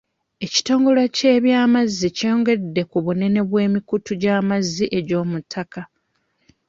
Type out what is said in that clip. Ekitongole ky'ebyamazzi kyongedde ku bunene bw'emikutu gy'amazzi egy'omu ttaka.